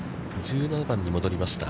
１７番に戻りました。